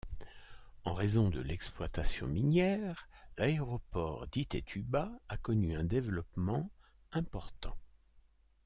En raison de l’exploitation minière, l'aéroport d’Itaituba a connu un développement important.